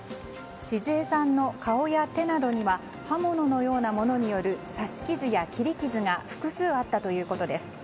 志壽江さんの顔や手などには刃物のようなものによる刺し傷や切り傷が複数あったということです。